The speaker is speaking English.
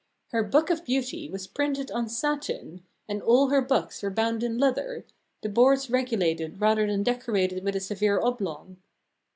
Her Book of Beauty was printed on satin, and all her books were bound in leather, the boards regulated rather than decorated with a severe oblong.